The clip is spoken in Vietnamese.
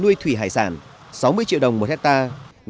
nuôi thủy hải sản sáu mươi triệu đồng một hectare